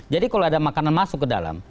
jadi kalau ada makanan masuk ke dalam